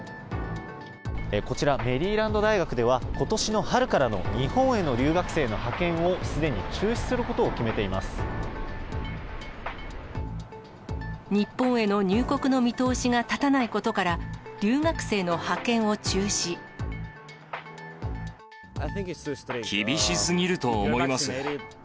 こちら、メリーランド大学では、ことしの春からの日本への留学生の派遣をすでに中止することを決日本への入国の見通しが立たないことから、厳しすぎると思います。